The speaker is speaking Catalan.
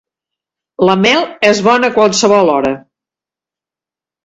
La mel és bona a qualsevol hora.